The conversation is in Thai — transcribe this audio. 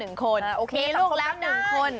เออโอเคสำคัญมีลูกแล้ว๑คน